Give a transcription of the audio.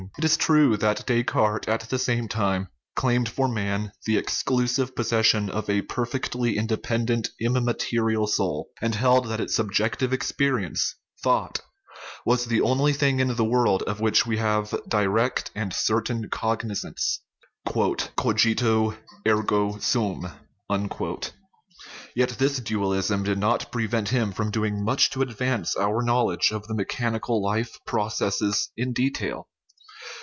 It is true that Descartes, at the same time, claimed for man the exclusive possession of a, perfectly indepen dent, immaterial soul, and held that its subjective ex perience, thought, was the only thing in the world of which we have direct and certain cognizanze (" Cogito, ergo sum 1 '). Yet this dualism did not prevent him from doing much to advance our knowledge of the me chanical life processes in detail.